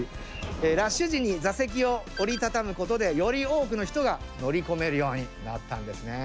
ラッシュ時に座席を折りたたむことでより多くの人が乗り込めるようになったんですね。